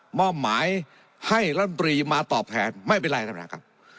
หม้อหมายให้รัฐมนตรีมาตอบแผนไม่เป็นไรนะครับ